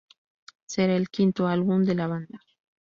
Será el quinto álbum de la banda.